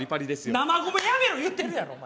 生米やめろ言うてるやろお前！